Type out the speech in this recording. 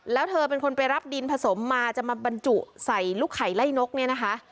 แล้วเธอเป็นคนไปรับดินผสมมาจะมาบรรจุใส่ลูกไข่ไล่นกเนี่ยนะคะ